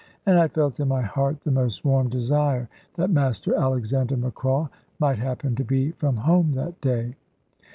And I felt in my heart the most warm desire that Master Alexander Macraw might happen to be from home that day.